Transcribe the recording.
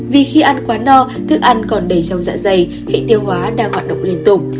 vì khi ăn quá no thức ăn còn đầy trong dạ dày hệ tiêu hóa đang hoạt động liên tục